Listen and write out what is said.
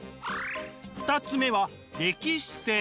２つ目は歴史性。